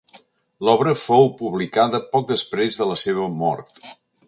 L'obra fou publicada poc després de la seva mort.